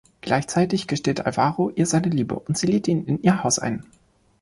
Gleichzeitig gesteht Alvaro ihr seine Liebe, und sie lädt ihn in ihr Haus ein.